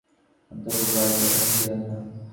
অধ্যাপক রাইট এখানে ছিলেন না।